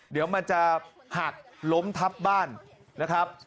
เดี๋ยวมันจะหักล้มทับบ้านนะครับ